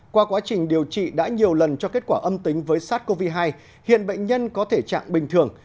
qua quá trình điều trị đã nhiều lần cho kết quả âm tính với sars cov hai hiện bệnh nhân có thể trạng bình thường